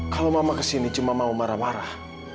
kalau mama kesini cuma mau marah marah